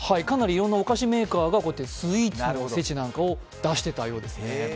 かなりいろんなお菓子メーカーがスイーツのお節を出していたようです。